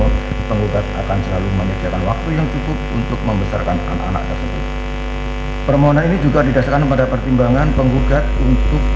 kebaikan alat pemegang dan penggugat